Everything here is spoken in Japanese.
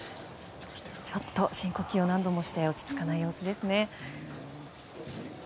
ちょっと深呼吸を何度もして落ち着かない様子ですね。